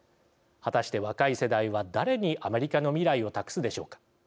果たして若い世代は誰にアメリカの未来を託すでしょうか。